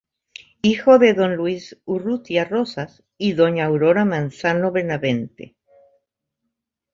Hijo de don "Luis Urrutia Rozas" y doña "Aurora Manzano Benavente".